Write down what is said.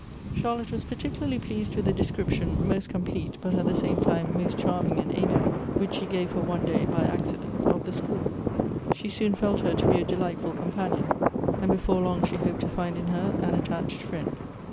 Charlotte was par ticularly pleased with a desci iption, most complete, but 52 Goethe's at the same time most charming and amiable, which she gave her one day, by accident, of the school. She soon felt her to be a delightful companion, and before long she hoped to find in her an attached friend.